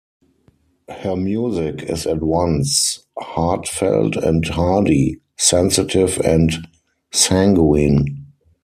Her music is at once heartfelt and hardy, sensitive and sanguine.